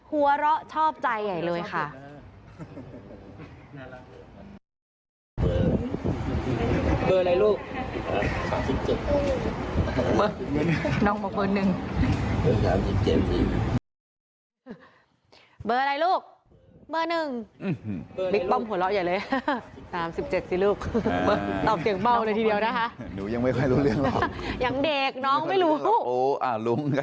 หัวเราะชอบใจใหญ่เลยค่ะ